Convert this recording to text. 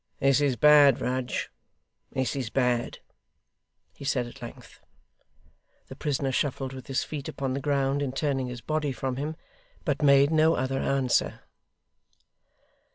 'This is bad, Rudge. This is bad,' he said at length. The prisoner shuffled with his feet upon the ground in turning his body from him, but made no other answer.